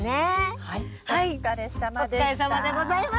お疲れさまでした。